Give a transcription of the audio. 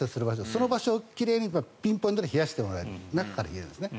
その場所を奇麗にピンポイントで冷やしてもらえる中から冷えるんですね。